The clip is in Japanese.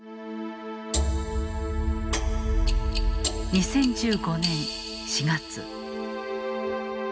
２０１５年４月。